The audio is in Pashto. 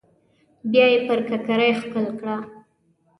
بيا يې پر ککرۍ ښکل کړه.